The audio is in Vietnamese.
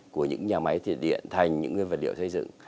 của những nhà máy điện thành những nguyên vật liệu xây dựng